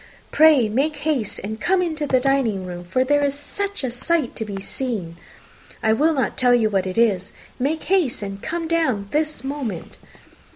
pray make haste and come into the dining room, for there is such a sight to be seen! I will not tell you what it is. Make haste, and come down this moment."